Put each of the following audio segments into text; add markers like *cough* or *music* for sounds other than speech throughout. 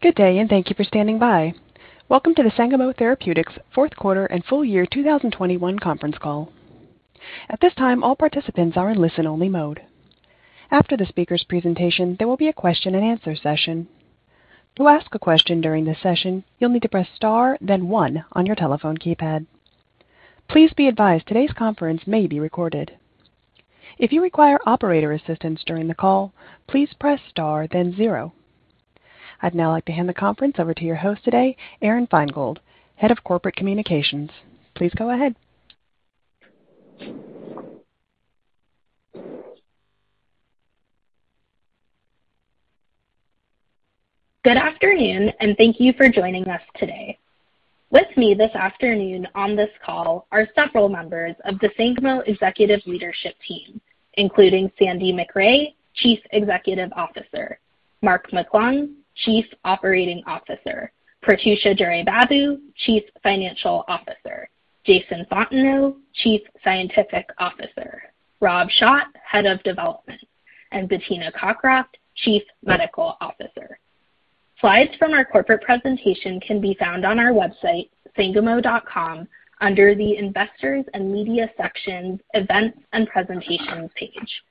Good day, and thank you for standing by. Welcome to the Sangamo Therapeutics fourth quarter and full year 2021 conference call. At this time, all participants are in listen-only mode. After the speaker's presentation, there will be a question-and-answer session. To ask a question during this session, you'll need to press star, then one on your telephone keypad. Please be advised today's conference may be recorded. If you require operator assistance during the call, please press star, then zero. I'd now like to hand the conference over to your host today, Aron Feingold, Head of Corporate Communications. Please go ahead. Good afternoon, and thank you for joining us today. With me this afternoon on this call are several members of the Sangamo executive leadership team, including Sandy MacRae, Chief Executive Officer, Mark McClung, Chief Operating Officer, Prathyusha Duraibabu, Chief Financial Officer, Jason Fontenot, Chief Scientific Officer, Rob Schott, Head of Development, and Bettina Cockroft, Chief Medical Officer. Slides from our corporate presentation can be found on our website, sangamo.com, under the Investors and Media section, Events and Presentations page.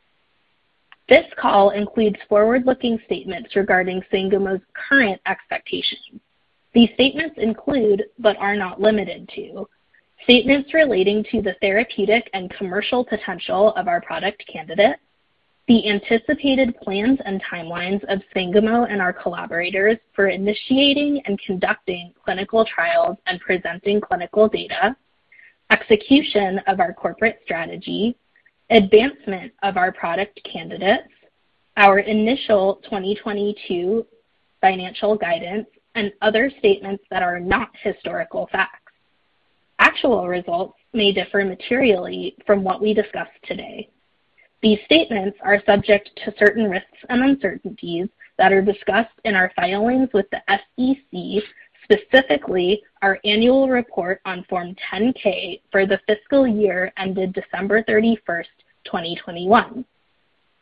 This call includes forward-looking statements regarding Sangamo's current expectations. These statements include, but are not limited to, statements relating to the therapeutic and commercial potential of our product candidates, the anticipated plans and timelines of Sangamo and our collaborators for initiating and conducting clinical trials and presenting clinical data, execution of our corporate strategy, advancement of our product candidates, our initial 2022 financial guidance, and other statements that are not historical facts. Actual results may differ materially from what we discuss today. These statements are subject to certain risks and uncertainties that are discussed in our filings with the SEC, specifically our annual report on Form 10-K for the fiscal year ended December 31st, 2021.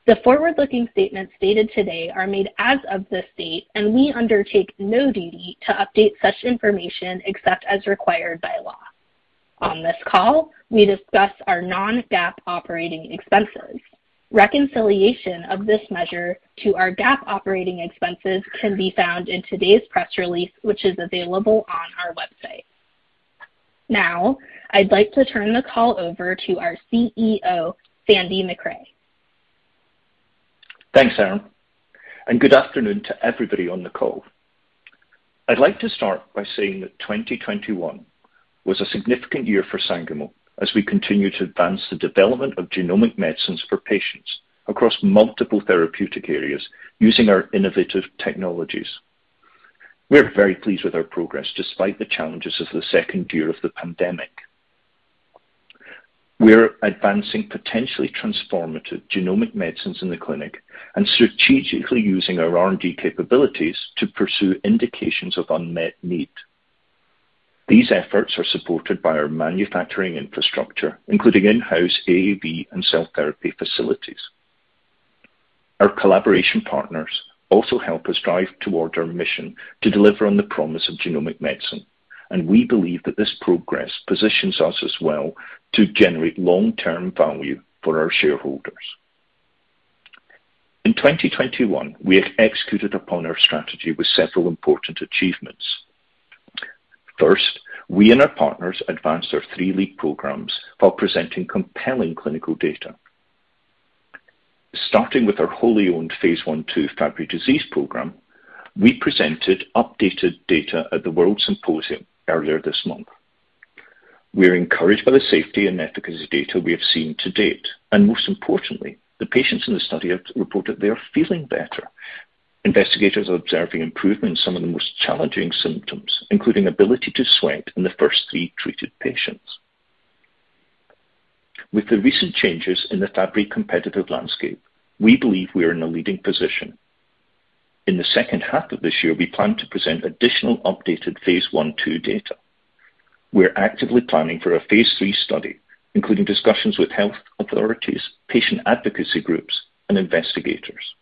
The forward-looking statements stated today are made as of this date, and we undertake no duty to update such information except as required by law. On this call, we discuss our non-GAAP operating expenses. Reconciliation of this measure to our GAAP operating expenses can be found in today's press release, which is available on our website. Now I'd like to turn the call over to our CEO, Sandy Macrae. Thanks, Aron, and good afternoon to everybody on the call. I'd like to start by saying that 2021 was a significant year for Sangamo as we continue to advance the development of genomic medicines for patients across multiple therapeutic areas using our innovative technologies. We are very pleased with our progress despite the challenges of the second year of the pandemic. We are advancing potentially transformative genomic medicines in the clinic and strategically using our R&D capabilities to pursue indications of unmet need. These efforts are supported by our manufacturing infrastructure, including in-house AAV and cell therapy facilities. Our collaboration partners also help us drive towards our mission to deliver on the promise of genomic medicine, and we believe that this progress positions us as well to generate long-term value for our shareholders. In 2021, we have executed upon our strategy with several important achievements. First, we and our partners advanced our three lead programs while presenting compelling clinical data. Starting with our wholly owned phase I/II Fabry disease program, we presented updated data at the WORLDSymposium earlier this month. We are encouraged by the safety and efficacy data we have seen to date, and most importantly, the patients in the study have reported they are feeling better. Investigators are observing improvements in some of the most challenging symptoms, including ability to sweat in the first three treated patients. With the recent changes in the Fabry competitive landscape, we believe we are in a leading position. In the second half of this year, we plan to present additional updated phase I/II data. We're actively planning for a phase III study, including discussions with health authorities, patient advocacy groups, and investigators.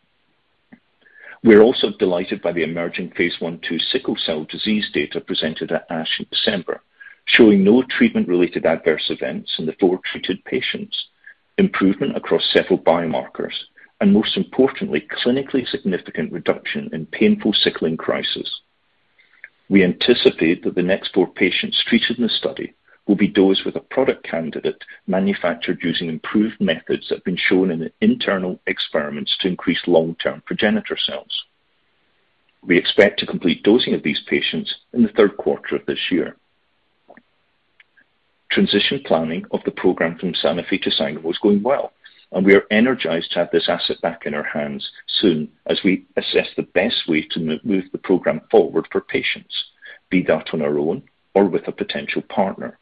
We are also delighted by the emerging phase I/II sickle cell disease data presented at ASH in December, showing no treatment-related adverse events in the four treated patients, improvement across several biomarkers, and most importantly, clinically significant reduction in painful sickling crisis. We anticipate that the next four patients treated in the study will be dosed with a product candidate manufactured using improved methods that have been shown in the internal experiments to increase long-term progenitor cells. We expect to complete dosing of these patients in the third quarter of this year. Transition planning of the program from Sanofi to Sangamo is going well, and we are energized to have this asset back in our hands soon as we assess the best way to move the program forward for patients, be that on our own or with a potential partner.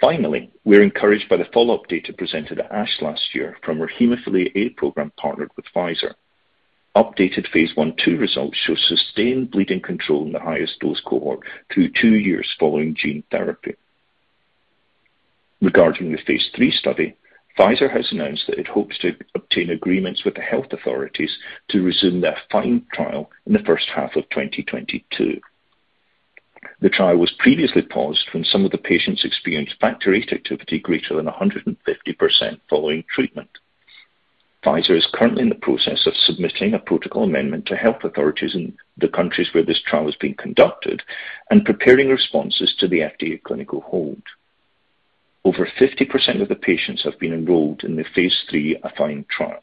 Finally, we are encouraged by the follow-up data presented at ASH last year from our Hemophilia A program partnered with Pfizer. Updated phase I/II results show sustained bleeding control in the highest dose cohort through two years following gene therapy. Regarding the phase III study, Pfizer has announced that it hopes to obtain agreements with the health authorities to resume their AFFINE trial in the first half of 2022. The trial was previously paused when some of the patients experienced factor VIII activity greater than 150% following treatment. Pfizer is currently in the process of submitting a protocol amendment to health authorities in the countries where this trial is being conducted and preparing responses to the FDA clinical hold. Over 50% of the patients have been enrolled in the phase III AFFINE trial.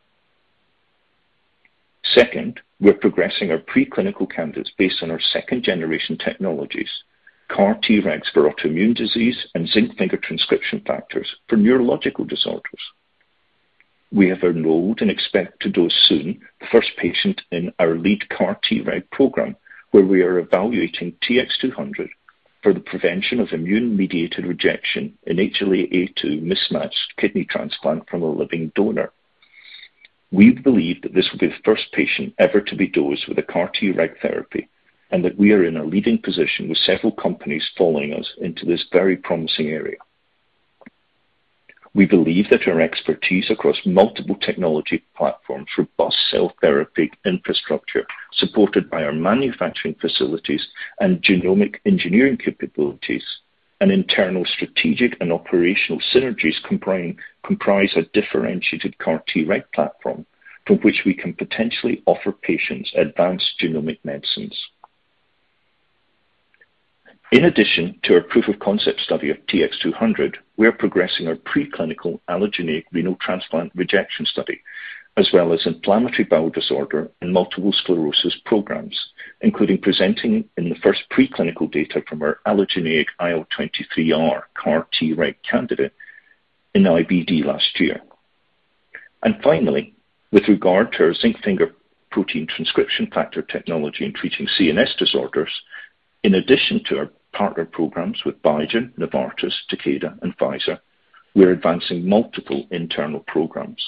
Second, we're progressing our preclinical candidates based on our second-generation technologies, CAR-Treg for autoimmune disease and zinc finger transcription factors for neurological disorders. We have enrolled and expect to dose soon the first patient in our lead CAR-Treg program, where we are evaluating TX200 for the prevention of immune-mediated rejection in HLA-A2 mismatched kidney transplant from a living donor. We believe that this will be the first patient ever to be dosed with a CAR-Treg therapy, and that we are in a leading position with several companies following us into this very promising area. We believe that our expertise across multiple technology platforms, robust cell therapy infrastructure, supported by our manufacturing facilities and genomic engineering capabilities and internal strategic and operational synergies comprise a differentiated CAR-Treg platform from which we can potentially offer patients advanced genomic medicines. In addition to our proof of concept study of TX200, we are progressing our preclinical allogeneic renal transplant rejection study, as well as inflammatory bowel disorder and multiple sclerosis programs, including presenting the first preclinical data from our allogeneic IL-23R CAR-Treg candidate in IBD last year. Finally, with regard to our zinc finger protein transcription factor technology in treating CNS disorders, in addition to our partner programs with Biogen, Novartis, Takeda and Pfizer, we are advancing multiple internal programs.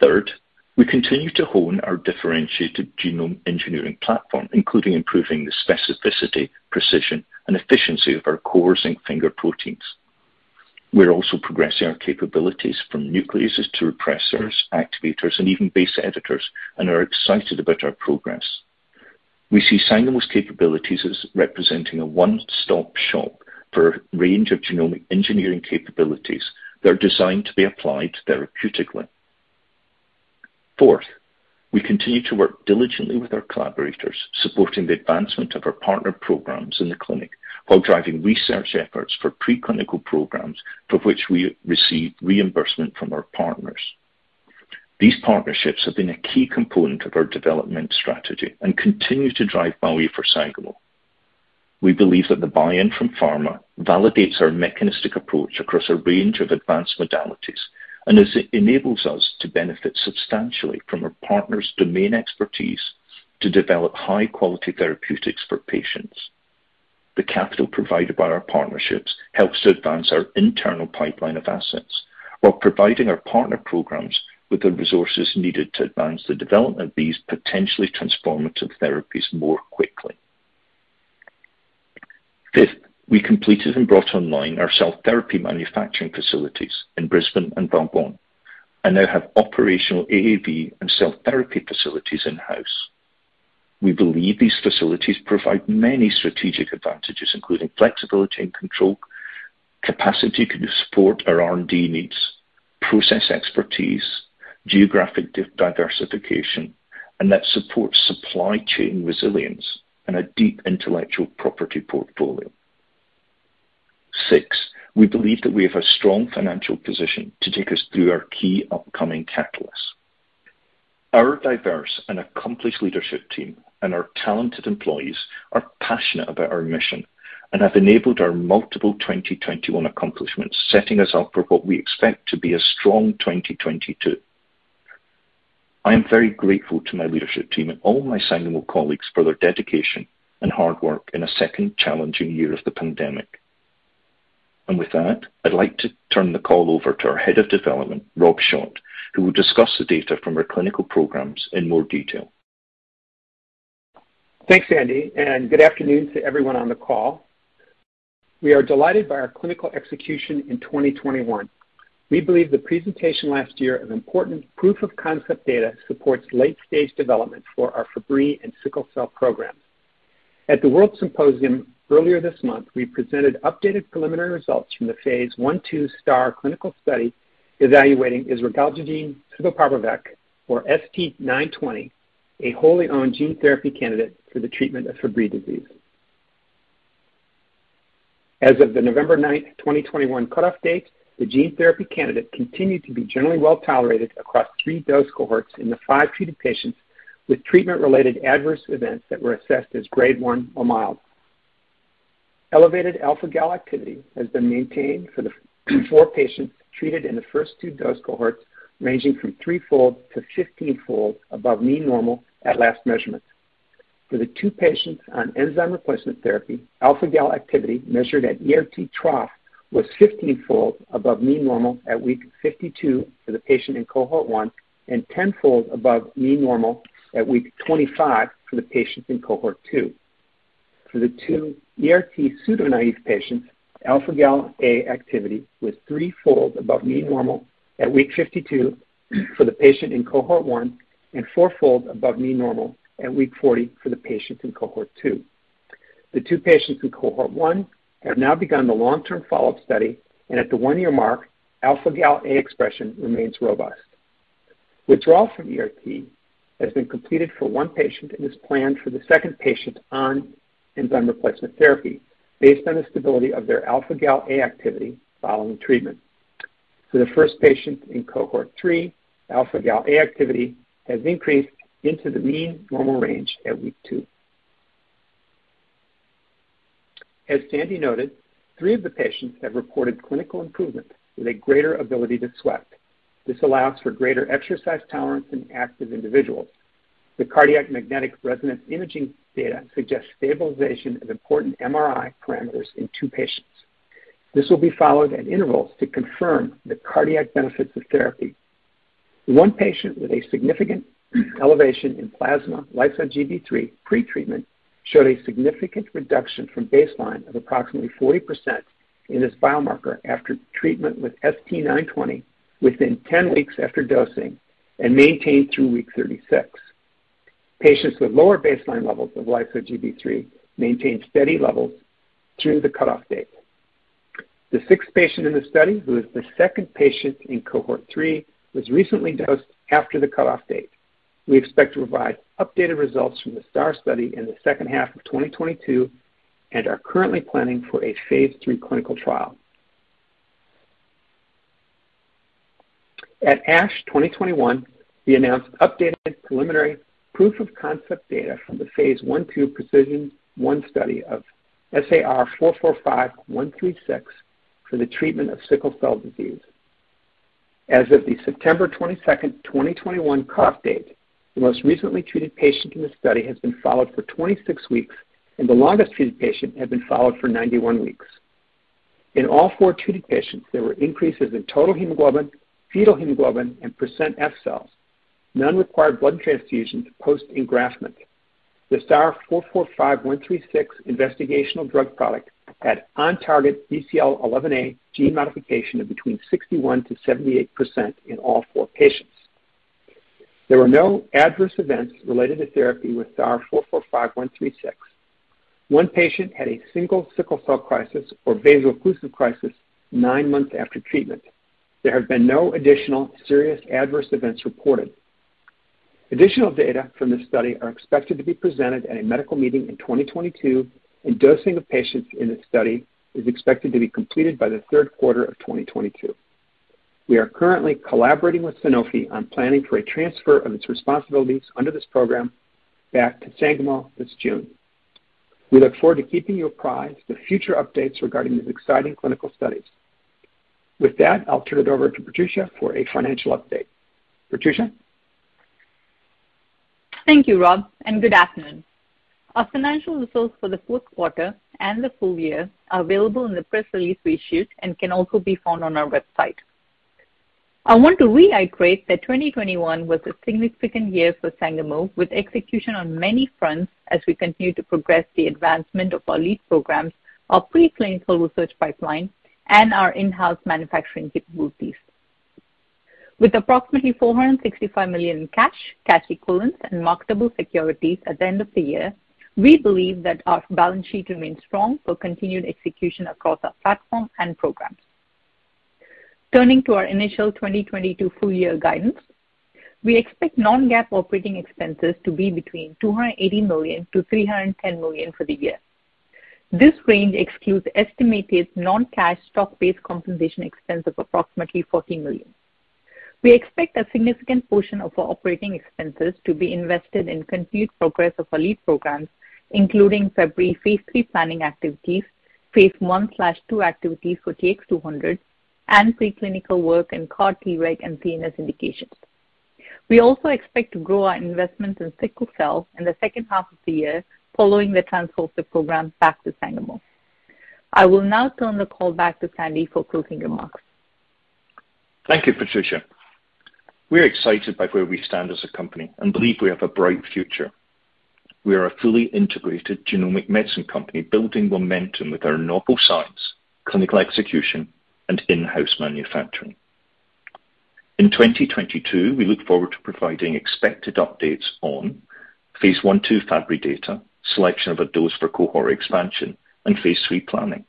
Third, we continue to hone our differentiated genome engineering platform, including improving the specificity, precision, and efficiency of our core zinc finger proteins. We're also progressing our capabilities from nucleases to repressors, activators, and even base editors, and are excited about our progress. We see Sangamo's capabilities as representing a one-stop shop for a range of genomic engineering capabilities that are designed to be applied therapeutically. Fourth, we continue to work diligently with our collaborators, supporting the advancement of our partner programs in the clinic while driving research efforts for preclinical programs for which we receive reimbursement from our partners. These partnerships have been a key component of our development strategy and continue to drive value for Sangamo. We believe that the buy-in from pharma validates our mechanistic approach across a range of advanced modalities and as it enables us to benefit substantially from our partners' domain expertise to develop high-quality therapeutics for patients. The capital provided by our partnerships helps to advance our internal pipeline of assets while providing our partner programs with the resources needed to advance the development of these potentially transformative therapies more quickly. Fifth, we completed and brought online our cell therapy manufacturing facilities in Brisbane and Valbonne and now have operational AAV and cell therapy facilities in-house. We believe these facilities provide many strategic advantages, including flexibility and control, capacity to support our R&D needs, process expertise, geographic diversification, and that supports supply chain resilience and a deep intellectual property portfolio. Six, we believe that we have a strong financial position to take us through our key upcoming catalysts. Our diverse and accomplished leadership team and our talented employees are passionate about our mission and have enabled our multiple 2021 accomplishments, setting us up for what we expect to be a strong 2022. I am very grateful to my leadership team and all my Sangamo colleagues for their dedication and hard work in a second challenging year of the pandemic. With that, I'd like to turn the call over to our Head of Development, Rob Schott, who will discuss the data from our clinical programs in more detail. Thanks, Sandy, and good afternoon to everyone on the call. We are delighted by our clinical execution in 2021. We believe the presentation last year of important proof of concept data supports late-stage development for our Fabry and sickle cell programs. At the WORLDSymposium earlier this month, we presented updated preliminary results from the phase I/II STAAR clinical study evaluating isaralgagene civaparvovec or ST-920, a wholly owned gene therapy candidate for the treatment of Fabry disease. As of the November 9th, 2021 cut-off date, the gene therapy candidate continued to be generally well-tolerated across three dose cohorts in the five treated patients with treatment-related adverse events that were assessed as grade one or mild. Elevated alpha-Gal A activity has been maintained for the four patients treated in the first two dose cohorts, ranging from threefold to fifteenfold above mean normal at last measurement. For the two patients on enzyme replacement therapy, alpha-Gal A activity measured at ERT trough was 15-fold above mean normal at week 52 for the patient in cohort one and 10-fold above mean normal at week 25 for the patients in cohort two. For the two ERT pseudo-naïve patients, alpha-Gal A activity was three-fold above mean normal at week 52 for the patient in cohort one and four-fold above mean normal at week 40 for the patients in cohort two. The two patients in cohort one have now begun the long-term follow-up study, and at the one-year mark, alpha-Gal A expression remains robust. Withdrawal from ERT has been completed for one patient and is planned for the second patient on enzyme replacement therapy based on the stability of their alpha-Gal A activity following treatment. For the first patient in cohort three, alpha-Gal A activity has increased into the mean normal range at week two. As Sandy noted, three of the patients have reported clinical improvement with a greater ability to sweat. This allows for greater exercise tolerance in active individuals. The cardiac magnetic resonance imaging data suggests stabilization of important MRI parameters in two patients. This will be followed at intervals to confirm the cardiac benefits of therapy. One patient with a significant elevation in plasma lyso-Gb3 pretreatment showed a significant reduction from baseline of approximately 40% in this biomarker after treatment with ST-920 within 10 weeks after dosing and maintained through week 36. Patients with lower baseline levels of lyso-Gb3 maintained steady levels through the cutoff date. The sixth patient in the study, who is the second patient in cohort three, was recently dosed after the cutoff date. We expect to provide updated results from the STAAR study in the second half of 2022 and are currently planning for a phase III clinical trial. At ASH 2021, we announced updated preliminary proof of concept data from the phase I/II PRECIZN-1 study of SAR 445136 for the treatment of sickle cell disease. As of the September 22nd, 2021 cutoff date, the most recently treated patient in the study has been followed for 26 weeks, and the longest treated patient had been followed for 91 weeks. In all four treated patients, there were increases in total hemoglobin, fetal hemoglobin, and percent F cells. None required blood transfusion to post-engraftment. The SAR 445136 investigational drug product had on-target BCL11A gene modification of between 61%-78% in all four patients. There were no adverse events related to therapy with SAR 445136. One patient had a single sickle cell crisis or vaso-occlusive crisis nine months after treatment. There have been no additional serious adverse events reported. Additional data from this study are expected to be presented at a medical meeting in 2022, and dosing of patients in this study is expected to be completed by the third quarter of 2022. We are currently collaborating with Sanofi on planning for a transfer of its responsibilities under this program back to Sangamo this June. We look forward to keeping you apprised with future updates regarding these exciting clinical studies. With that, I'll turn it over to Prathyusha for a financial update. Prathyusha? Thank you, Rob, and good afternoon. Our financial results for the fourth quarter and the full year are available in the press release we issued and can also be found on our website. I want to reiterate that 2021 was a significant year for Sangamo, with execution on many fronts as we continue to progress the advancement of our lead programs, our preclinical research pipeline, and our in-house manufacturing capabilities. With approximately $465 million in cash equivalents, and marketable securities at the end of the year, we believe that our balance sheet remains strong for continued execution across our platforms and programs. Turning to our initial 2022 full year guidance, we expect non-GAAP operating expenses to be between $280 million-$310 million for the year. This range excludes estimated non-cash stock-based compensation expense of approximately $40 million. We expect a significant portion of our operating expenses to be invested in continued progress of our lead programs, including Fabry phase III planning activities, phase I/II activities for TX200, and preclinical work in CAR-Treg and CNS indications. We also expect to grow our investment in sickle cell in the second half of the year following the transfer of the program back to Sangamo. I will now turn the call back to Sandy for closing remarks. Thank you, Prathyusha. We are excited by where we stand as a company and believe we have a bright future. We are a fully integrated genomic medicine company building momentum with our novel science, clinical execution, and in-house manufacturing. In 2022, we look forward to providing expected updates on phase I/II Fabry data, selection of a dose for cohort expansion, and phase III planning.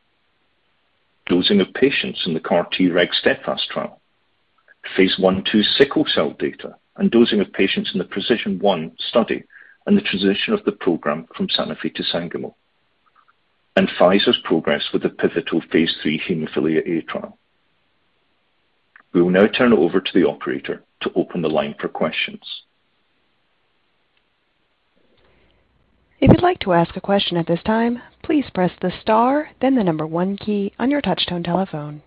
Dosing of patients in the CAR-Treg STEADFAST trial. Phase I/II sickle cell data and dosing of patients in the PRECIZN-1 study and the transition of the program from Sanofi to Sangamo. Pfizer's progress with the pivotal phase III hemophilia A trial. We will now turn it over to the operator to open the line for questions. If you'd like to ask a question at this time please press the star then the number one key on your touchtone telephone.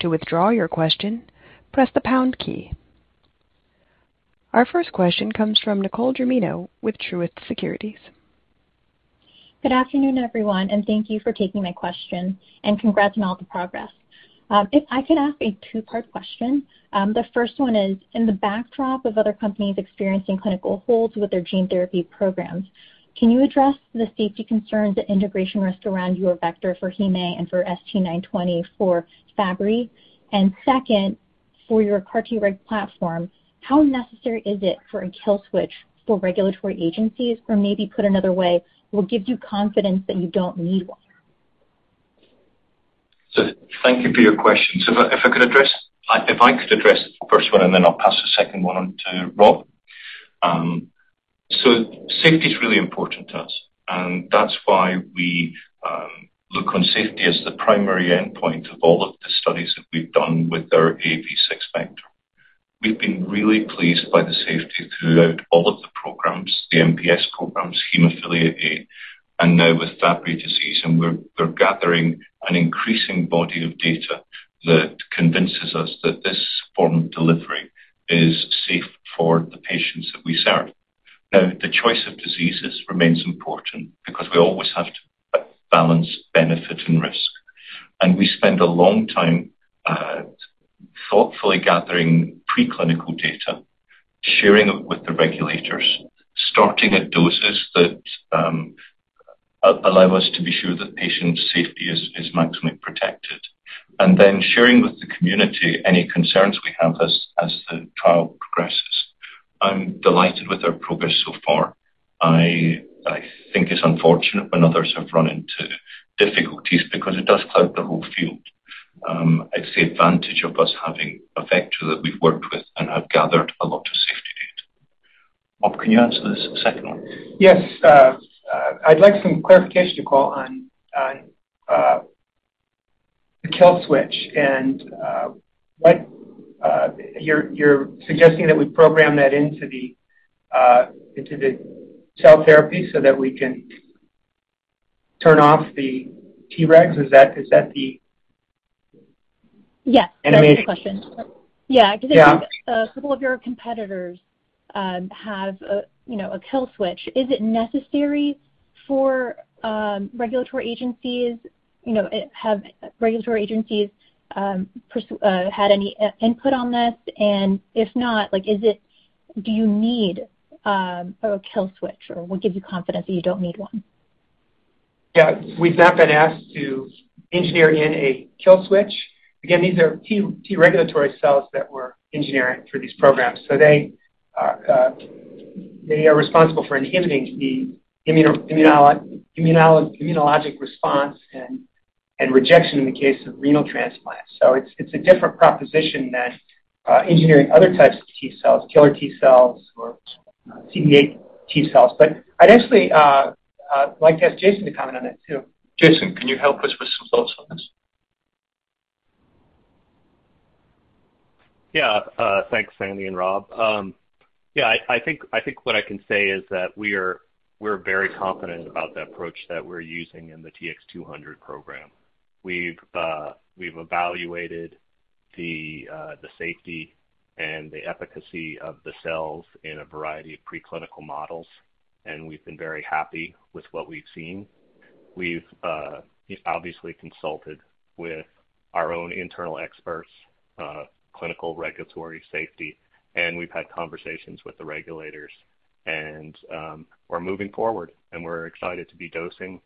To withdraw your question press the pound key. Our first question comes from Nicole Germino with Truist Securities. Good afternoon, everyone, and thank you for taking my question and congrats on all the progress. If I could ask a two-part question. The first one is, in the backdrop of other companies experiencing clinical holds with their gene therapy programs, can you address the safety concerns that integration risks around your vector for hem A and for ST-920 for Fabry? And second, for your CAR-Treg platform, how necessary is it for a kill switch for regulatory agencies? Or maybe put another way, what gives you confidence that you don't need one? Thank you for your question. If I could address the first one, and then I'll pass the second one on to Rob. Safety is really important to us, and that's why we look on safety as the primary endpoint of all of the studies that we've done with our AAV6 vector. We've been really pleased by the safety throughout all of the programs, the MPS programs, hemophilia A, and now with Fabry disease. We're gathering an increasing body of data that convinces us that this form of delivery is safe for the patients that we serve. Now, the choice of diseases remains important because we always have to balance benefit and risk. We spend a long time thoughtfully gathering preclinical data, sharing it with the regulators, starting at doses that allow us to be sure that patient safety is maximally protected, and then sharing with the community any concerns we have as the trial progresses. I'm delighted with our progress so far. I think it's unfortunate when others have run into difficulties because it does cloud the whole field. It's the advantage of us having a vector that we've worked with and have gathered a lot of safety data. Rob, can you answer the second one? Yes. I'd like some clarification on the kill switch and what you're suggesting that we program that into the cell therapy so that we can turn off the Tregs. Is that the- Yes. *crosstalk* That's the question. Yeah. Yeah. Cause a couple of your competitors have you know a kill switch. Is it necessary for regulatory agencies? You know, have regulatory agencies had any input on this? If not, like, is it? Do you need a kill switch, or what gives you confidence that you don't need one? Yeah, we've not been asked to engineer in a kill switch. Again, these are T regulatory cells that we're engineering for these programs. They are responsible for inhibiting the immunologic response and rejection in the case of renal transplants. It's a different proposition than engineering other types of T cells, killer T cells or CD8 T cells. I'd actually like to ask Jason to comment on that too. Jason, can you help us with some thoughts on this? Yeah. Thanks, Sandy and Rob. Yeah, I think what I can say is that we're very confident about the approach that we're using in the TX200 program. We've evaluated the safety and the efficacy of the cells in a variety of preclinical models, and we've been very happy with what we've seen. We've obviously consulted with our own internal experts, clinical, regulatory, safety, and we've had conversations with the regulators and we're moving forward, and we're excited to be dosing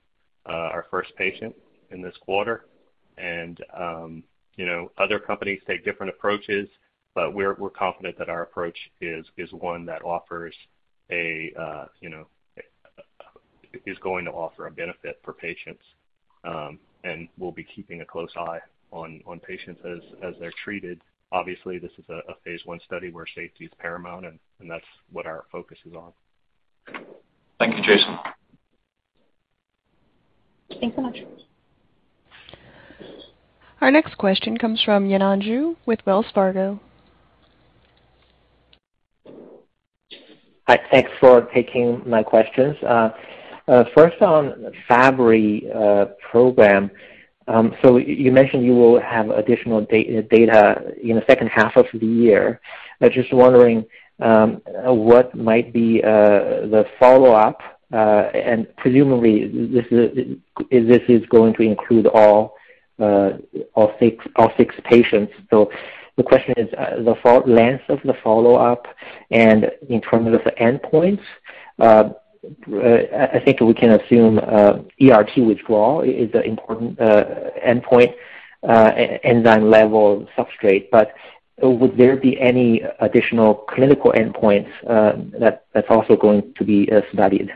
our first patient in this quarter. You know, other companies take different approaches, but we're confident that our approach is one that is going to offer a benefit for patients, and we'll be keeping a close eye on patients as they're treated. Obviously, this is a phase I study where safety is paramount, and that's what our focus is on. Thank you, Jason. Thanks so much. Our next question comes from Yanan Zhu with Wells Fargo. Hi. Thanks for taking my questions. First on Fabry program. You mentioned you will have additional data in the second half of the year. I was just wondering what might be the follow-up, and presumably this is going to include all six patients. The question is the length of the follow-up and in terms of the endpoints. I think we can assume ERT withdrawal is an important endpoint, enzyme level substrate, but would there be any additional clinical endpoints that's also going to be studied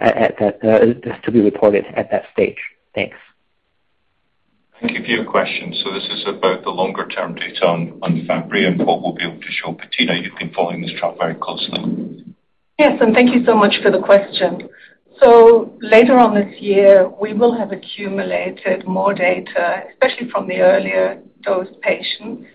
at that to be reported at that stage? Thanks. Thank you for your question. This is about the longer-term data on Fabry and what we'll be able to show. Bettina, you've been following this trial very closely. Yes, thank you so much for the question. Later on this year, we will have accumulated more data, especially from the earlier dose patients.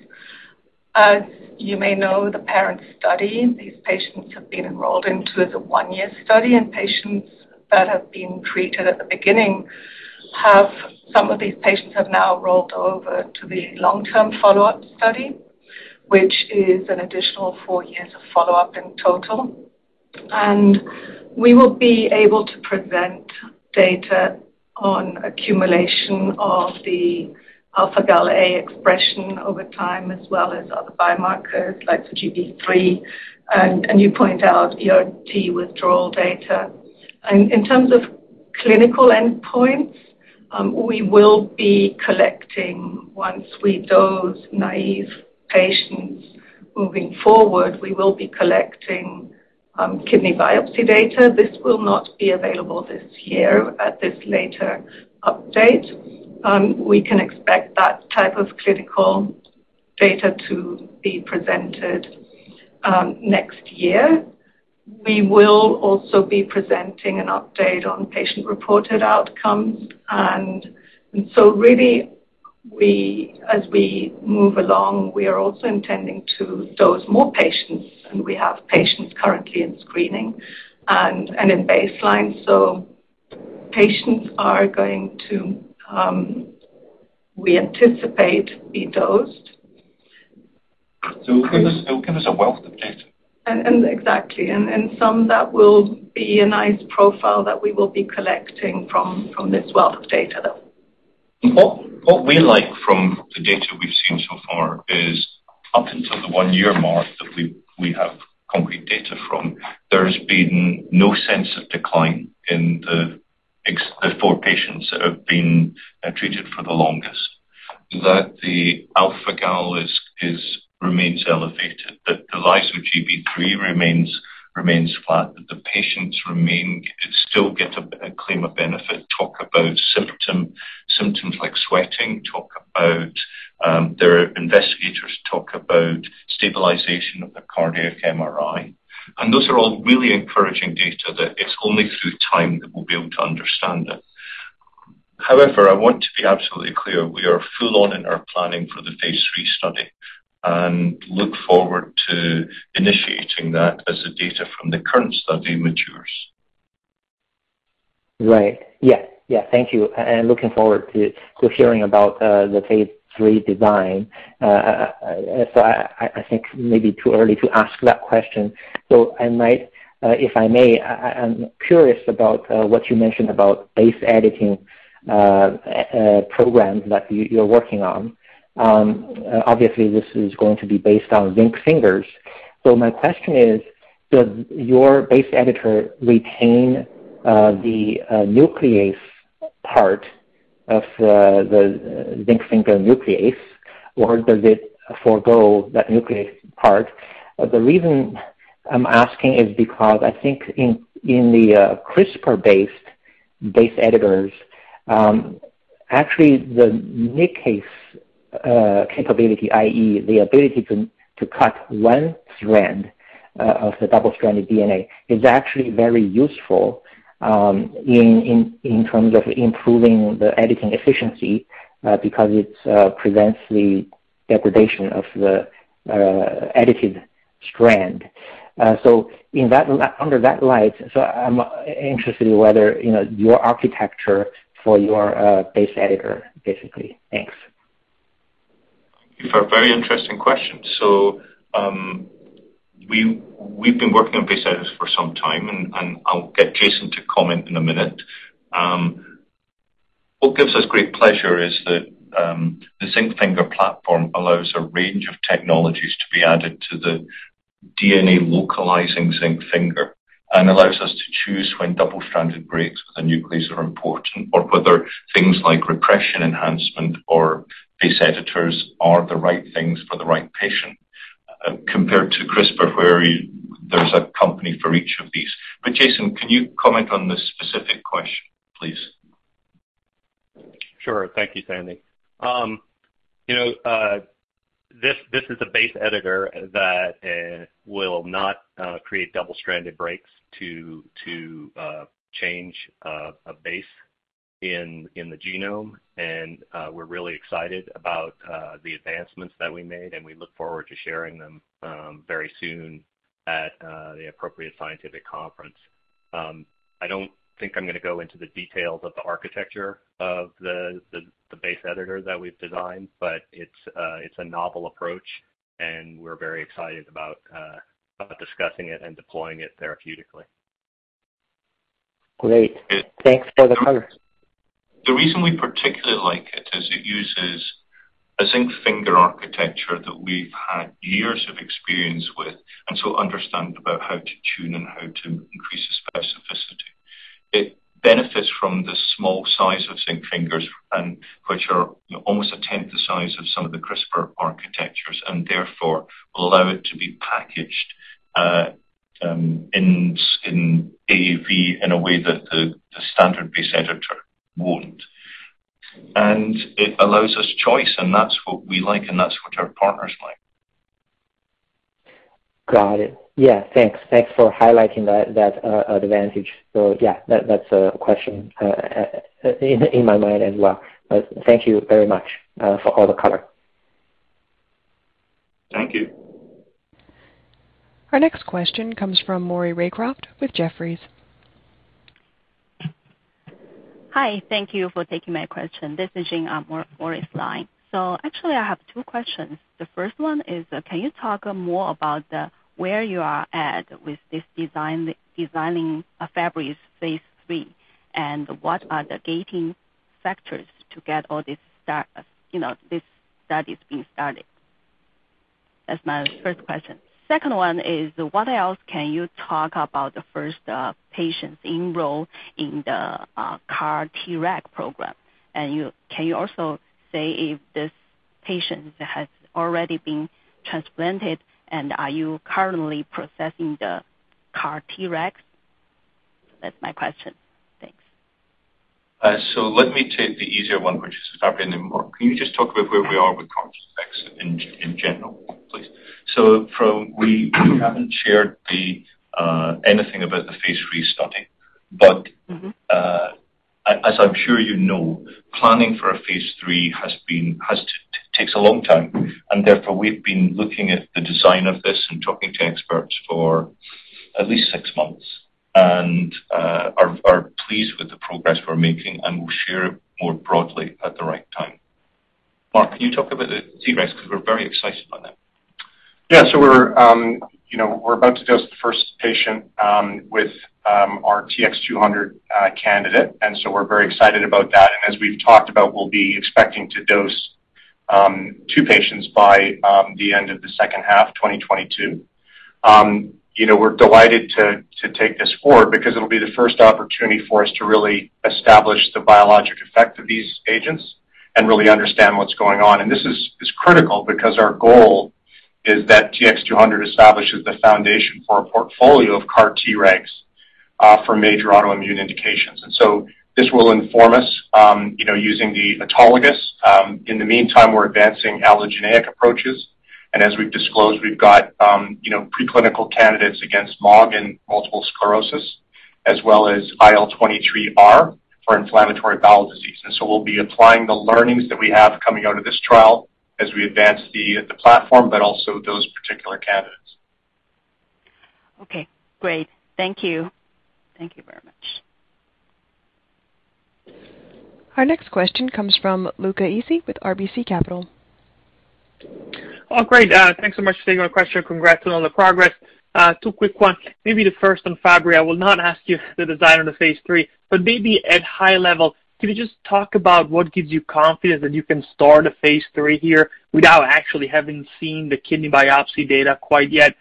As you may know, the parent study, these patients have been enrolled into as a one-year study, and patients that have been treated at the beginning. Some of these patients have now rolled over to the long-term follow-up study, which is an additional four years of follow-up in total. We will be able to present data on accumulation of the alpha-Gal A expression over time, as well as other biomarkers like the Gb3 and you point out the ERT withdrawal data. In terms of clinical endpoints, we will be collecting once we dose naïve patients moving forward, we will be collecting kidney biopsy data. This will not be available this year at this later update. We can expect that type of clinical data to be presented next year. We will also be presenting an update on patient-reported outcomes as we move along, we are also intending to dose more patients, and we have patients currently in screening and in baseline, so patients are going to be dosed, we anticipate. It'll give us a wealth of data. Exactly, some that will be a nice profile that we will be collecting from this wealth of data though. What we like from the data we've seen so far is up until the one-year mark that we have concrete data from, there's been no sense of decline in the four patients that have been treated for the longest. That the alpha-Gal A remains elevated, that the lyso-Gb3 remains flat, that the patients remain still get a claim of benefit, talk about symptoms like sweating, talk about their investigators talk about stabilization of the cardiac MRI. Those are all really encouraging data that it's only through time that we'll be able to understand it. However, I want to be absolutely clear, we are full on in our planning for the phase III study and look forward to initiating that as the data from the current study matures. Thank you, and looking forward to hearing about the phase III design. I think maybe it's too early to ask that question. I might, if I may, I'm curious about what you mentioned about base editing programs that you're working on. Obviously this is going to be based on zinc fingers. My question is, does your base editor retain the nuclease part of the zinc finger nuclease, or does it forego that nuclease part? The reason I'm asking is because I think in the CRISPR-based base editors, actually the nickase capability, i.e., the ability to cut one strand of the double-stranded DNA is actually very useful in terms of improving the editing efficiency, because it prevents the degradation of the edited strand. In that light, I'm interested in whether, you know, your architecture for your base editor, basically. Thanks. Thank you for a very interesting question. We've been working on base editors for some time and I'll get Jason to comment in a minute. What gives us great pleasure is that the zinc finger platform allows a range of technologies to be added to the DNA localizing zinc finger and allows us to choose when double-strand breaks with a nuclease are important or whether things like repression, enhancement or base editors are the right things for the right patient, compared to CRISPR, where there's a company for each of these. Jason, can you comment on this specific question, please? Sure. Thank you, Sandy. You know, this is a base editor that will not create double-strand breaks to change a base in the genome. We're really excited about the advancements that we made, and we look forward to sharing them very soon at the appropriate scientific conference. I don't think I'm gonna go into the details of the architecture of the base editor that we've designed, but it's a novel approach and we're very excited about discussing it and deploying it therapeutically. Great. Thanks for the color. The reason we particularly like it is it uses a zinc finger architecture that we've had years of experience with, and so understand about how to tune and how to increase the specificity. It benefits from the small size of zinc fingers and which are, you know, almost a 10th the size of some of the CRISPR architectures, and therefore allow it to be packaged in AAV in a way that the standard base editor won't. It allows us choice, and that's what we like, and that's what our partners like. Got it. Yeah. Thanks. Thanks for highlighting that advantage. Yeah, that's a question in my mind as well. Thank you very much for all the color. Thank you. Our next question comes from Maury Raycroft with Jefferies. Hi. Thank you for taking my question. This is Jing, Maury's line. Actually I have two questions. The first one is, can you talk more about where you are at with this design, designing a Fabry phase III, and what are the gating factors to get all these, you know, these studies being started? That's my first question. Second one is, what else can you talk about the first patients enrolled in the CAR-Treg program? And can you also say if this patient has already been transplanted and are you currently processing the CAR-Tregs? That's my question. Thanks. Let me take the easier one, which is Fabry. Then, Mark, can you just talk about where we are with CAR-Treg in general, please? We haven't shared anything about the phase III study. Mm-hmm. As I'm sure you know, planning for a phase III takes a long time, and therefore, we've been looking at the design of this and talking to experts for at least six months and are pleased with the progress we're making, and we'll share it more broadly at the right time. Mark, can you talk about the Tregs because we're very excited by them. Yeah. We're you know about to dose the first patient with our TX200 candidate, and we're very excited about that. As we've talked about, we'll be expecting to dose two patients by the end of the second half of 2022. You know, we're delighted to take this forward because it'll be the first opportunity for us to really establish the biologic effect of these agents and really understand what's going on. This is critical because our goal is that TX200 establishes the foundation for a portfolio of CAR-Tregs for major autoimmune indications. This will inform us you know using the autologous. In the meantime, we're advancing allogeneic approaches, and as we've disclosed, we've got, you know, preclinical candidates against MOG in multiple sclerosis as well as IL-23R for inflammatory bowel disease. We'll be applying the learnings that we have coming out of this trial as we advance the platform, but also those particular candidates. Okay, great. Thank you. Thank you very much. Our next question comes from Luca Issi with RBC Capital. Oh, great. Thanks so much for taking my question. Congrats on all the progress. Two quick ones. Maybe the first on Fabry. I will not ask you the design of the phase III, but maybe at high level, can you just talk about what gives you confidence that you can start a phase III here without actually having seen the kidney biopsy data quite yet?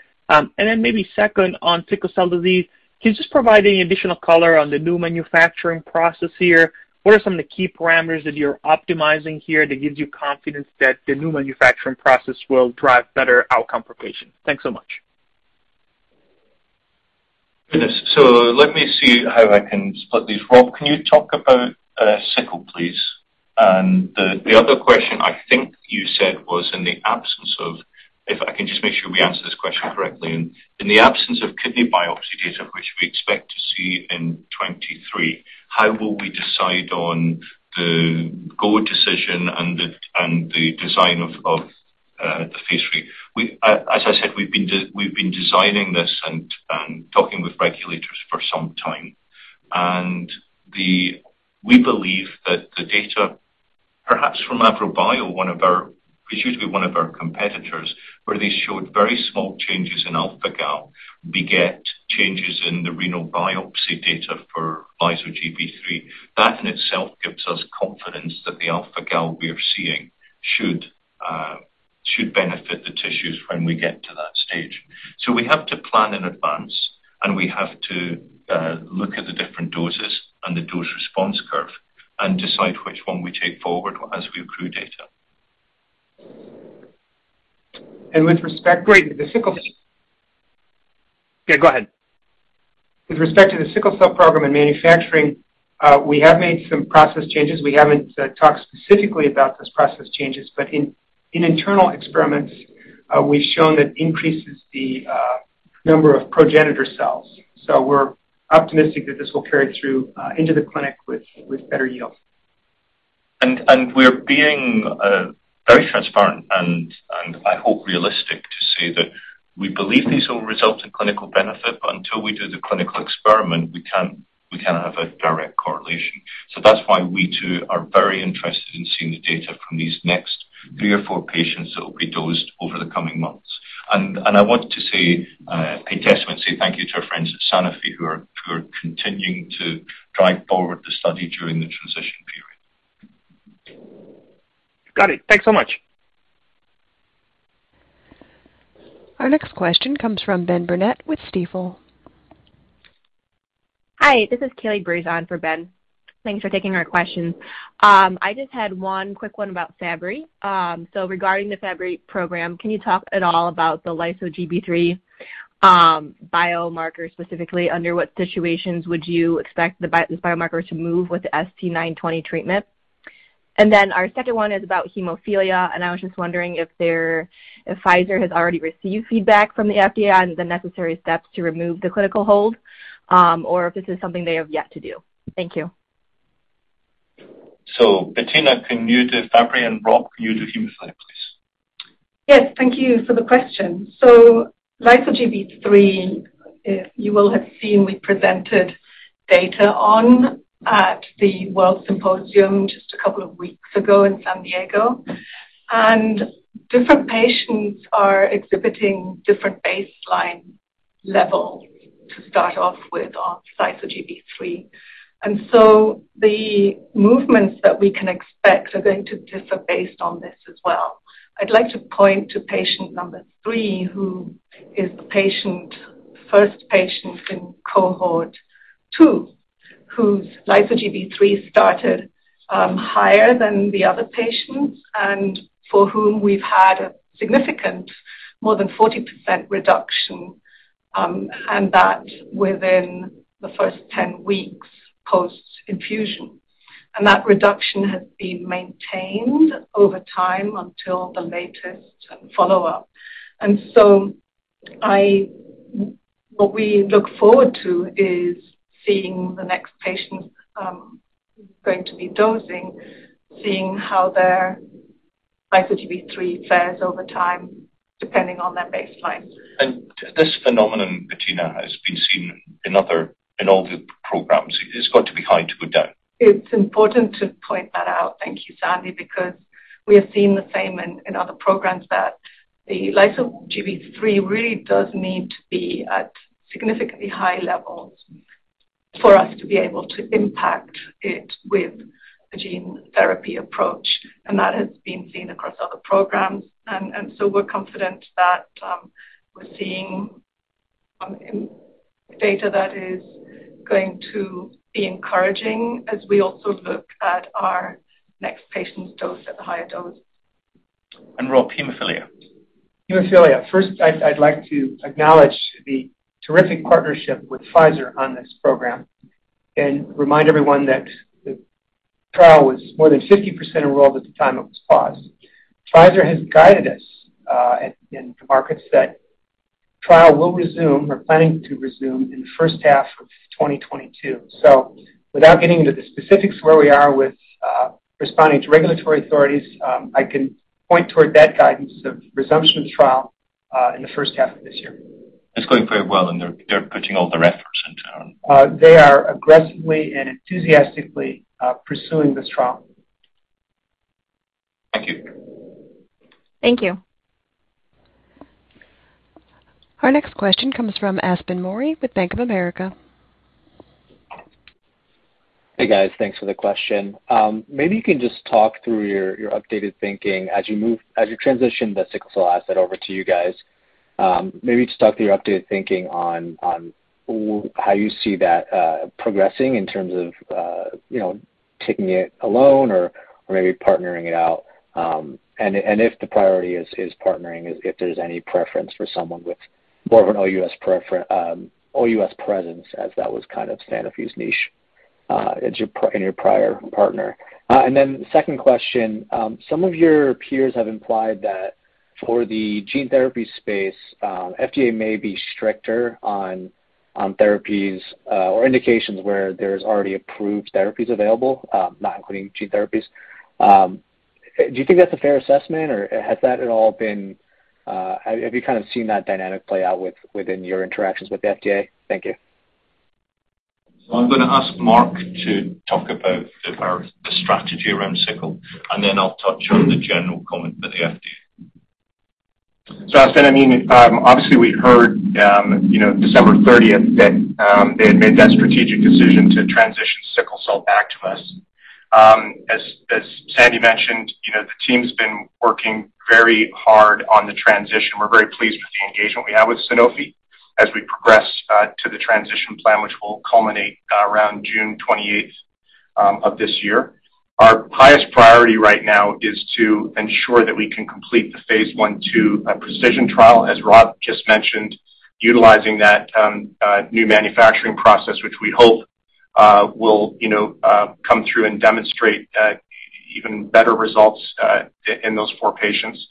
Maybe second on sickle cell disease, can you just provide any additional color on the new manufacturing process here? What are some of the key parameters that you're optimizing here that gives you confidence that the new manufacturing process will drive better outcome for patients? Thanks so much. Goodness. Let me see how I can split these. Rob, can you talk about sickle, please? The other question I think you said was in the absence of... If I can just make sure we answer this question correctly. In the absence of kidney biopsy data, which we expect to see in 2023, how will we decide on the go decision and the design of the phase III? As I said, we've been designing this and talking with regulators for some time. We believe that the data, perhaps from AVROBIO, one of our... It used to be one of our competitors, where they showed very small changes in alpha-Gal A beget changes in the renal biopsy data for lyso-Gb3. That in itself gives us confidence that the alpha-Gal A we are seeing should benefit the tissues when we get to that stage. We have to plan in advance, and we have to look at the different doses and the dose-response curve and decide which one we take forward as we accrue data. With respect to the sickle Great. Yeah, go ahead. With respect to the sickle cell program and manufacturing, we have made some process changes. We haven't talked specifically about those process changes, but in internal experiments, we've shown that increases the number of progenitor cells. We're optimistic that this will carry through into the clinic with better yield. We're being very transparent and I hope realistic to say that we believe these will result in clinical benefit, but until we do the clinical experiment, we can't have a direct correlation. That's why we too are very interested in seeing the data from these next three or four patients that will be dosed over the coming months. I want to say, bear testament, say thank you to our friends at Sanofi who are continuing to drive forward the study during the transition period. Got it. Thanks so much. Our next question comes from Ben Burnett with Stifel. Hi. This is Kelly [Greys] on for Ben. Thanks for taking our questions. I just had one quick one about Fabry. Regarding the Fabry program, can you talk at all about the lyso-Gb3 biomarkers, specifically, under what situations would you expect this biomarker to move with the ST-920 treatment? Our second one is about hemophilia, and I was just wondering if Pfizer has already received feedback from the FDA on the necessary steps to remove the clinical hold, or if this is something they have yet to do. Thank you. Bettina, can you do Fabry? Rob, can you do hemophilia, please? Yes, thank you for the question. Lyso-Gb3, you will have seen we presented data on at the WORLDSymposium just a couple of weeks ago in San Diego. Different patients are exhibiting different baseline levels to start off with on lyso-Gb3. The movements that we can expect are going to differ based on this as well. I'd like to point to patient number three, who is the patient, first patient in cohort two, whose lyso-Gb3 started higher than the other patients and for whom we've had a significant more than 40% reduction, and that within the first 10 weeks post-infusion. That reduction has been maintained over time until the latest follow-up. What we look forward to is seeing the next patient, going to be dosing, seeing how their lyso-Gb3 fares over time depending on their baseline. This phenomenon, Bettina, has been seen in all the programs. It's got to be high to go down. It's important to point that out. Thank you, Sandy, because we have seen the same in other programs that the lyso-Gb3 really does need to be at significantly high levels for us to be able to impact it with a gene therapy approach. That has been seen across other programs. We're confident that we're seeing data that is going to be encouraging as we also look at our next patient's dose at the higher dose. Rob, hemophilia. Hemophilia. First, I'd like to acknowledge the terrific partnership with Pfizer on this program and remind everyone that the trial was more than 50% enrolled at the time it was paused. Pfizer has guided us in the markets that the trial will resume or is planning to resume in the first half of 2022. Without getting into the specifics of where we are with responding to regulatory authorities, I can point toward that guidance of resumption of the trial in the first half of this year. It's going very well, and they're putting all their efforts into it. They are aggressively and enthusiastically pursuing this trial. Thank you. Thank you. Our next question comes from Aspen Mori with Bank of America. Hey, guys. Thanks for the question. Maybe you can just talk through your updated thinking as you transition the sickle cell asset over to you guys. Maybe just talk through your updated thinking on how you see that progressing in terms of you know taking it alone or maybe partnering it out. If the priority is partnering, if there's any preference for someone with more of an all-U.S. presence as that was kind of Sanofi's niche as your prior partner. Second question, some of your peers have implied that for the gene therapy space FDA may be stricter on therapies or indications where there's already approved therapies available not including gene therapies. Do you think that's a fair assessment or has that at all been? Have you kind of seen that dynamic play out within your interactions with the FDA? Thank you. I'm gonna ask Mark to talk about our strategy around sickle, and then I'll touch on the general comment for the FDA. Aspen, I mean, obviously we heard, you know, December 30th that they had made that strategic decision to transition sickle cell back to us. As Sandy mentioned, you know, the team's been working very hard on the transition. We're very pleased with the engagement we have with Sanofi as we progress to the transition plan, which will culminate around June 28th of this year. Our highest priority right now is to ensure that we can complete the phase I/II PRECIZN-1 trial, as Rob just mentioned, utilizing that new manufacturing process, which we hope will, you know, come through and demonstrate even better results in those four patients.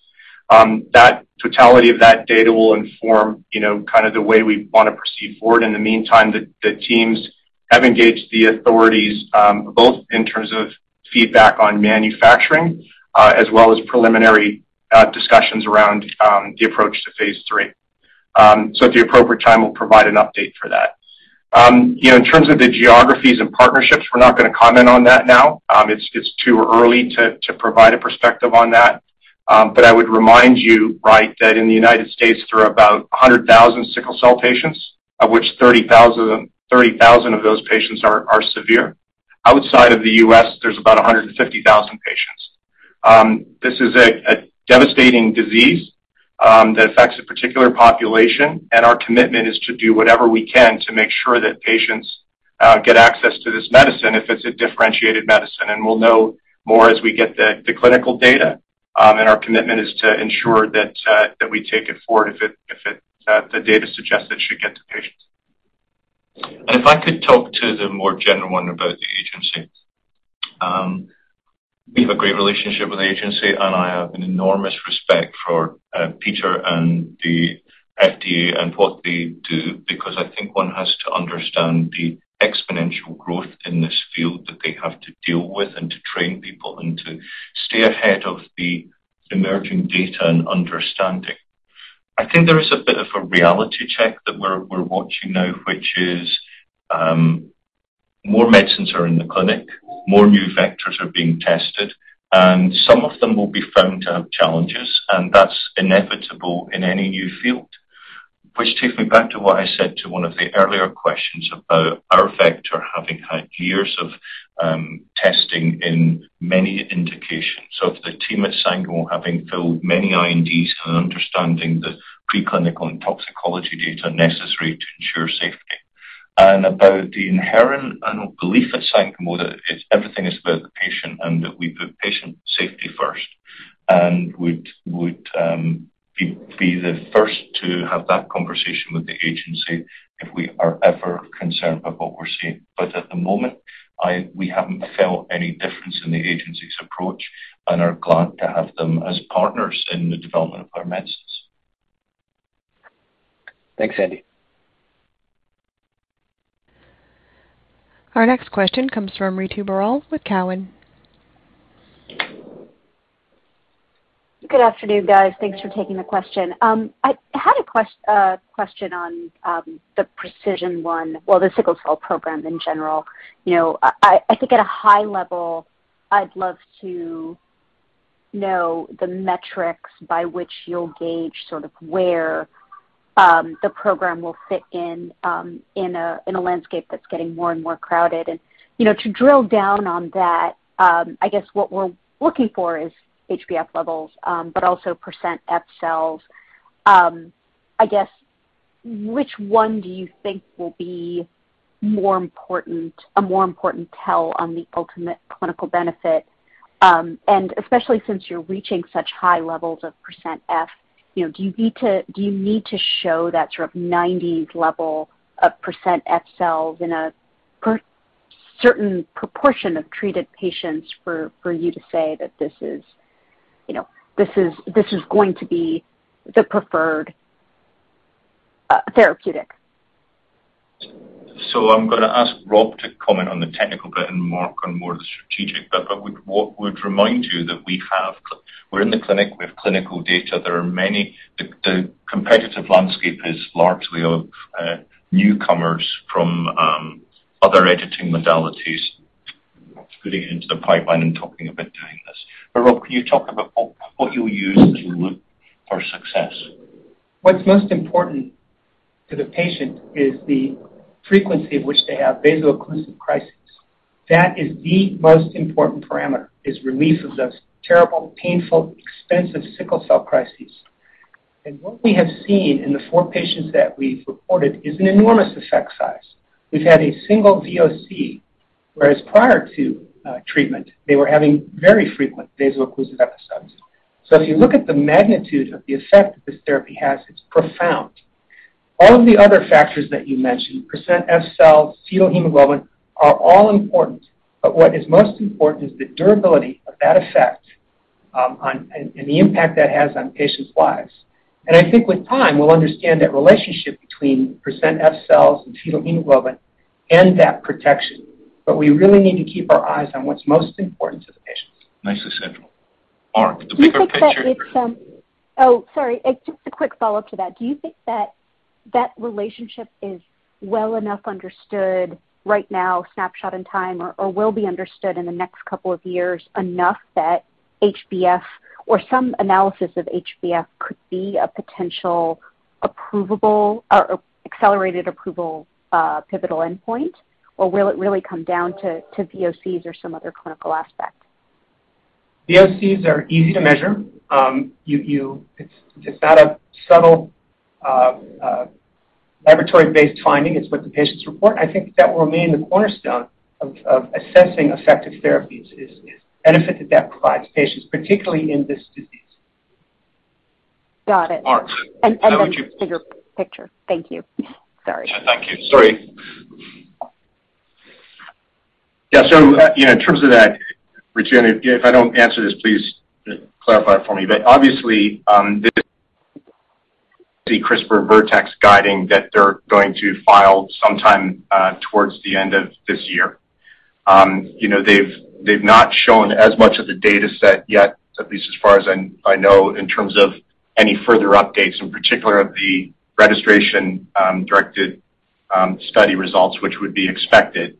That totality of that data will inform, you know, kind of the way we want to proceed forward. In the meantime, the teams have engaged the authorities, both in terms of feedback on manufacturing, as well as preliminary discussions around the approach to phase III. At the appropriate time we'll provide an update for that. You know, in terms of the geographies and partnerships, we're not gonna comment on that now. It's too early to provide a perspective on that. I would remind you, right, that in the United States there are about 100,000 sickle cell patients, of which 30,000 of those patients are severe. Outside of the U.S. there's about 150,000 patients. This is a devastating disease that affects a particular population, and our commitment is to do whatever we can to make sure that patients get access to this medicine if it's a differentiated medicine. We'll know more as we get the clinical data. Our commitment is to ensure that we take it forward if it, the data suggests it should get to patients. If I could talk to the more general one about the agency. We have a great relationship with the agency, and I have an enormous respect for Peter and the FDA and what they do, because I think one has to understand the exponential growth in this field that they have to deal with and to train people and to stay ahead of the emerging data and understanding. I think there is a bit of a reality check that we're watching now, which is, more medicines are in the clinic, more new vectors are being tested, and some of them will be found to have challenges, and that's inevitable in any new field. Which takes me back to what I said to one of the earlier questions about our vector having had years of testing in many indications of the team at Sangamo having filed many INDs and understanding the preclinical and toxicology data necessary to ensure safety. And about the inherent belief at Sangamo that it's everything is about the patient and that we put patient safety first and would be the first to have that conversation with the agency if we are ever concerned about what we're seeing. But at the moment, we haven't felt any difference in the agency's approach and are glad to have them as partners in the development of our medicines. Thanks, Sandy. Our next question comes from Ritu Baral with Cowen. Good afternoon, guys. Thanks for taking the question. I had a question on the PRECIZN-1. Well, the sickle cell program in general. You know, I think at a high level, I'd love to know the metrics by which you'll gauge sort of where the program will fit in in a landscape that's getting more and more crowded. You know, to drill down on that, I guess what we're looking for is HbF levels, but also percent F cells. I guess, which one do you think will be more important, a more important tell on the ultimate clinical benefit? especially since you're reaching such high levels of percent F, you know, do you need to show that sort of 90s level of percent F cells in a certain proportion of treated patients for you to say that this is, you know, this is going to be the preferred therapeutic? I'm gonna ask Rob to comment on the technical bit and Mark on more of the strategic. What would remind you that we're in the clinic, we have clinical data. There are many. The competitive landscape is largely of newcomers from other editing modalities putting into the pipeline and talking about doing this. Rob, can you talk about what you'll use as you look for success? What's most important to the patient is the frequency of which they have vaso-occlusive crisis. That is the most important parameter, is relief of those terrible, painful, expensive sickle cell crises. What we have seen in the four patients that we've reported is an enormous effect size. We've had a single VOC, whereas prior to treatment, they were having very frequent vaso-occlusive episodes. If you look at the magnitude of the effect that this therapy has, it's profound. All of the other factors that you mentioned, percent F cells, fetal hemoglobin, are all important. What is most important is the durability of that effect, on and the impact that has on patients' lives. I think with time, we'll understand that relationship between percent F cells and fetal hemoglobin and that protection. We really need to keep our eyes on what's most important to the patients. Nicely said, Rob. Mark, the bigger picture. Just a quick follow-up to that. Do you think that that relationship is well enough understood right now, snapshot in time or will be understood in the next couple of years enough that HbF or some analysis of HbF could be a potential approvable or accelerated approval pivotal endpoint? Will it really come down to VOCs or some other clinical aspect? VOCs are easy to measure. It's not a subtle laboratory-based finding. It's what the patients report. I think that will remain the cornerstone of assessing effective therapies is benefit that provides patients, particularly in this disease. Got it. Mark. Bigger picture. Thank you. Sorry. Thank you. Sorry. Yeah. You know, in terms of that, Ritu, and if I don't answer this, please clarify it for me. Obviously, the CRISPR/Vertex guidance that they're going to file sometime towards the end of this year. You know, they've not shown as much of the dataset yet, at least as far as I know, in terms of any further updates, in particular of the registration-directed study results, which would be expected.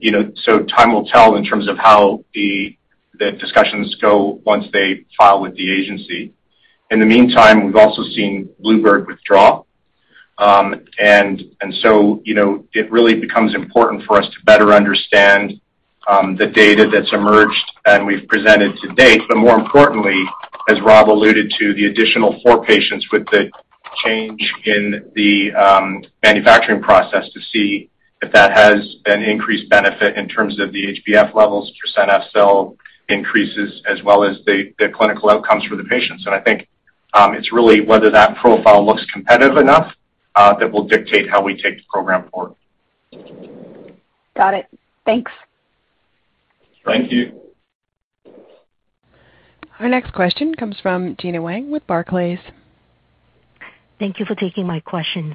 You know, time will tell in terms of how the discussions go once they file with the agency. In the meantime, we've also seen Bluebird withdraw. You know, it really becomes important for us to better understand the data that's emerged and we've presented to date. More importantly, as Rob alluded to, the additional four patients with the change in the manufacturing process to see if that has an increased benefit in terms of the HbF levels, percent F cell increases, as well as the clinical outcomes for the patients. I think it's really whether that profile looks competitive enough that will dictate how we take the program forward. Got it. Thanks. Thank you. Our next question comes from Gena Wang with Barclays. Thank you for taking my questions.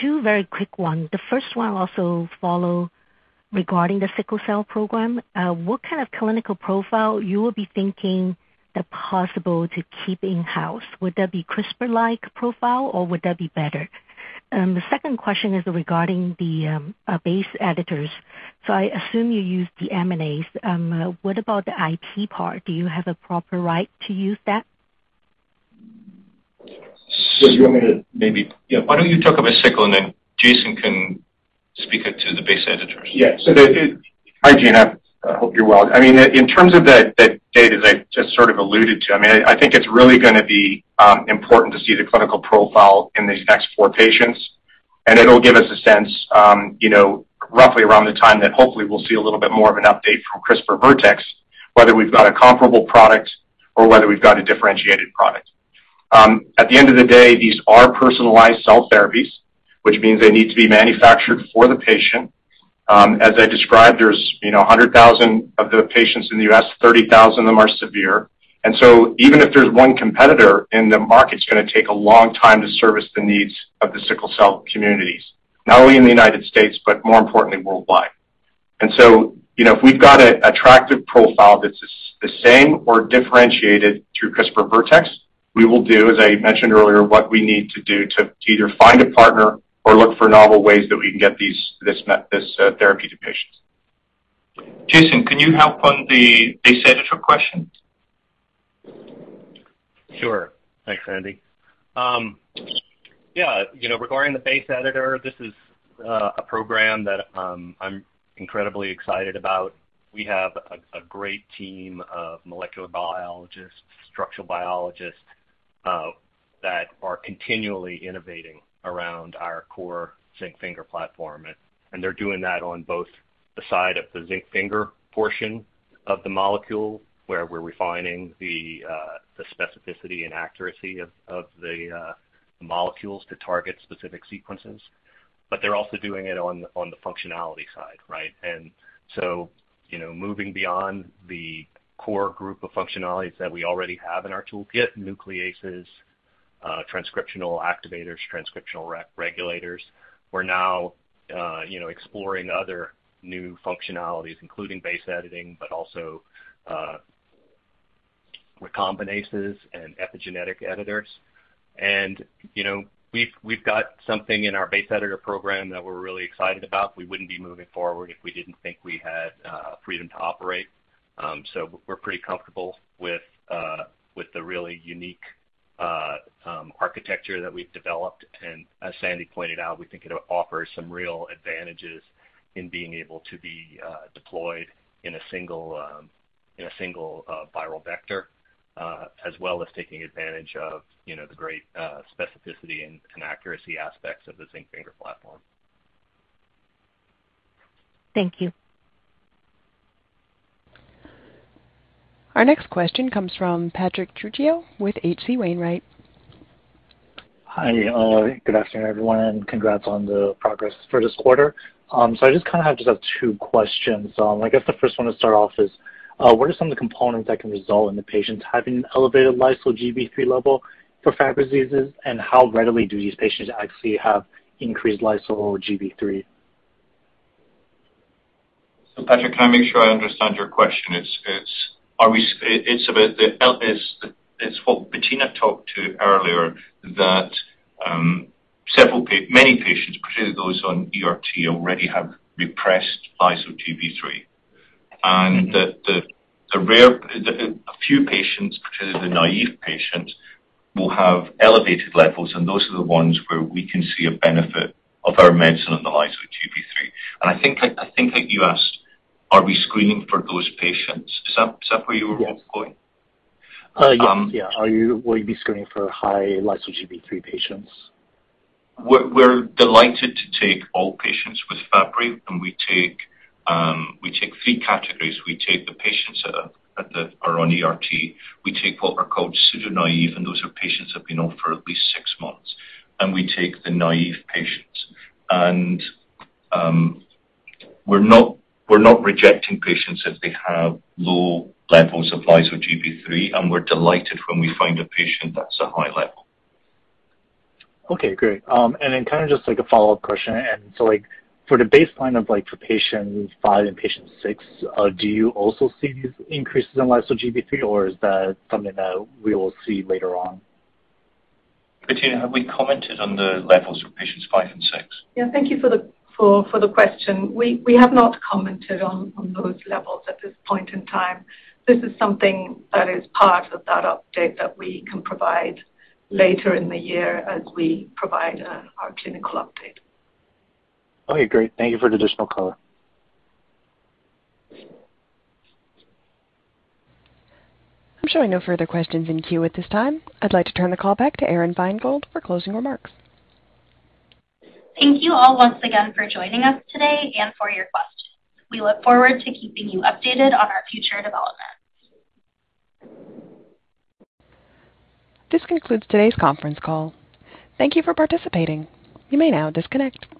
Two very quick ones. The first one I also follow regarding the sickle cell program. What kind of clinical profile you will be thinking that possible to keep in-house? Would that be CRISPR-like profile, or would that be better? The second question is regarding the base editors. So I assume you use the MNase. What about the IP part? Do you have a proper right to use that? Do you want me to maybe? Yeah. Why don't you talk about sickle, and then Jason can speak to the base editors. Hi, Gena. I hope you're well. In terms of the data that I just sort of alluded to, I think it's really gonna be important to see the clinical profile in these next four patients. It'll give us a sense, you know, roughly around the time that hopefully we'll see a little bit more of an update from CRISPR Vertex, whether we've got a comparable product or whether we've got a differentiated product. At the end of the day, these are personalized cell therapies, which means they need to be manufactured for the patient. As I described, there's, you know, 100,000 of the patients in the U.S., 30,000 of them are severe. Even if there's one competitor in the market, it's gonna take a long time to service the needs of the sickle cell communities, not only in the United States, but more importantly, worldwide. You know, if we've got a attractive profile that's the same or differentiated through CRISPR Vertex, we will do, as I mentioned earlier, what we need to do to either find a partner or look for novel ways that we can get this therapy to patients. Jason, can you help on the base editor question? Sure. Thanks, Sandy. Yeah. You know, regarding the base editor, this is a program that I'm incredibly excited about. We have a great team of molecular biologists, structural biologists that are continually innovating around our core zinc finger platform. They're doing that on both the side of the zinc finger portion of the molecule, where we're refining the specificity and accuracy of the molecules to target specific sequences. They're also doing it on the functionality side, right? You know, moving beyond the core group of functionalities that we already have in our toolkit, nucleases, transcriptional activators, transcriptional re-regulators. We're now exploring other new functionalities, including base editing, but also recombinases and epigenetic editors. You know, we've got something in our base editor program that we're really excited about. We wouldn't be moving forward if we didn't think we had freedom to operate. We're pretty comfortable with the really unique architecture that we've developed. As Sandy pointed out, we think it offers some real advantages in being able to be deployed in a single viral vector, as well as taking advantage of, you know, the great specificity and accuracy aspects of the zinc finger platform. Thank you. Our next question comes from Patrick Trucchio with H.C. Wainwright. Hi. Good afternoon, everyone, and congrats on the progress for this quarter. I just kinda have just two questions. I guess the first one to start off is what are some of the components that can result in the patients having elevated lyso-Gb3 level for Fabry disease? How readily do these patients actually have increased lyso-Gb3? Patrick, can I make sure I understand your question? It's about what Bettina talked about earlier, that many patients, particularly those on ERT, already have reduced lyso-Gb3. There are a few patients, particularly the naïve patients, will have elevated levels, and those are the ones where we can see a benefit of our medicine on the lyso-Gb3. I think like you asked, are we screening for those patients? Is that where you were going? Yes. Yeah. Will you be screening for high lyso-Gb3 patients? We're delighted to take all patients with Fabry, and we take three categories. We take the patients that are on ERT. We take what are called pseudo-naïve, and those are patients that have been on for at least six months. We're not rejecting patients if they have low levels of lyso-Gb3, and we're delighted when we find a patient that's a high level. Okay, great. Kinda just like a follow-up question. Like, for the baseline of, like, for patient five and patient six, do you also see these increases in lyso-Gb3, or is that something that we will see later on? Bettina, have we commented on the levels for patients five and six? Yeah. Thank you for the question. We have not commented on those levels at this point in time. This is something that is part of that update that we can provide later in the year as we provide our clinical update. Okay, great. Thank you for the additional color. I'm showing no further questions in queue at this time. I'd like to turn the call back to Aron Feingold for closing remarks. Thank you all once again for joining us today and for your questions. We look forward to keeping you updated on our future developments. This concludes today's conference call. Thank you for participating. You may now disconnect.